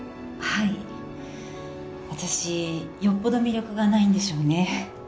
はい私よっぽど魅力がないんでしょうね